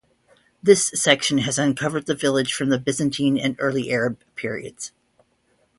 This section has uncovered the village from the Byzantine and Early Arab periods.